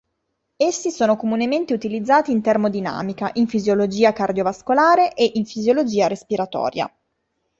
Essi sono comunemente utilizzati in termodinamica, in fisiologia cardiovascolare e in fisiologia respiratoria.